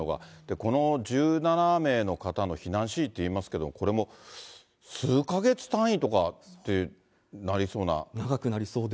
この１７名の方の避難指示といいますけど、これも数か月単位とかってなりそうな。